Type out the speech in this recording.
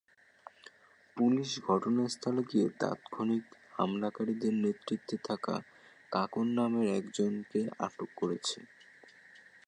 Police ঘটনাস্থলে গিয়ে তাৎক্ষণিক হামলাকারীদের নেতৃত্বে থাকা কাঁকন নামের একজনকে আটক করেছে।